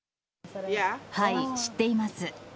はい、知っています。